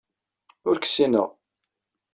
Ur k-ssineɣ.